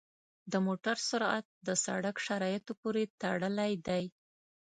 د موټر سرعت د سړک شرایطو پورې تړلی دی.